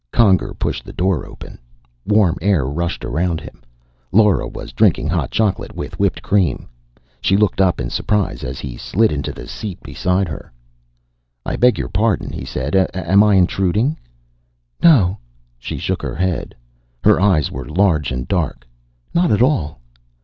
Conger pushed the door open. Warm air rushed around him. Lora was drinking hot chocolate, with whipped cream. She looked up in surprise as he slid into the seat beside her. "I beg your pardon," he said. "Am I intruding?" "No." She shook her head. Her eyes were large and dark. "Not at all."